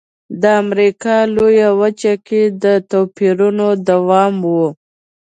د امریکا لویه وچه کې د توپیرونو دوام و.